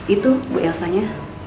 itu bu elsanya